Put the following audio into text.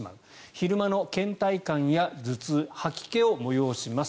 昼間のけん怠感や頭痛吐き気を催します